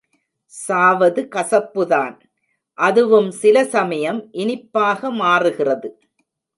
சாவது கசப்புதான் அதுவும் சில சமயம் இனிப்பாக மாறுகிறது.